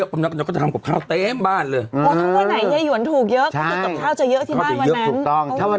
เย้หย่วนชอบเลขไหนก็ซื้อเลขนั้น